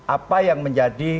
apa yang menjadi